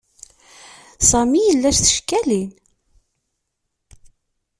Sami yella s tcekkalin.